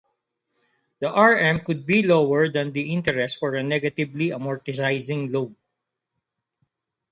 The Rm could be lower than the interest for a negatively amortizing loan.